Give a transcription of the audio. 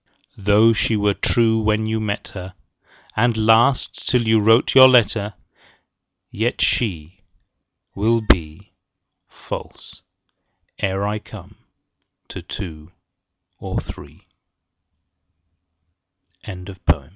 Though she were true when you met her, And last till you write your letter, Yet she 25 Will be False, ere I come, to two or thr